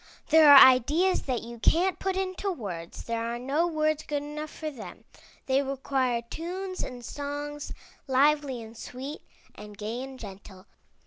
There are ideas that you can't put into words; there are no words good enough for them. They require tunes and songs, lively and sweet, and gay and gentle.